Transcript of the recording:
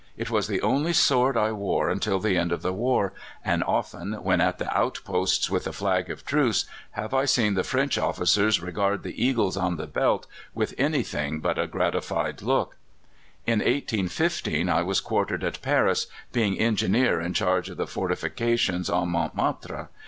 It was the only sword I wore until the end of the war, and often, when at the outposts with a flag of truce, have I seen the French officers regard the eagles on the belt with anything but a gratified look. "In 1815 I was quartered at Paris, being engineer in charge of the fortifications on Mont Martre.